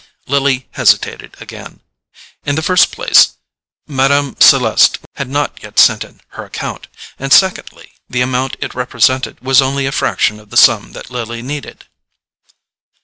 Lily hesitated again. In the first place, Mme. Celeste had not yet sent in her account, and secondly, the amount it represented was only a fraction of the sum that Lily needed.